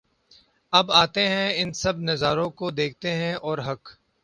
اب آتے ہیں ان سب نظاروں کو دیکھتے اور حق